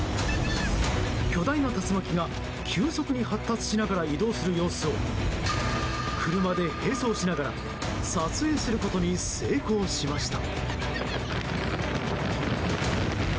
巨大な竜巻が急速に発達しながら移動する様子を車で並走しながら撮影することに成功しました。